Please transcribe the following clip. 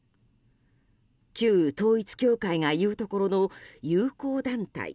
旧統一教会が言うところの友好団体